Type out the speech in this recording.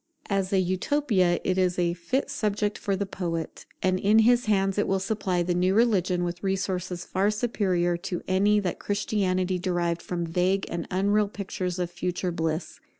As an Utopia, it is a fit subject for the poet: and in his hands it will supply the new religion with resources far superior to any that Christianity derived from vague and unreal pictures of future bliss.